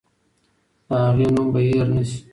د هغې نوم به هېر نه سي.